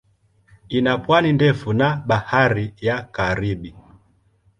Ina pwani ndefu na Bahari ya Karibi.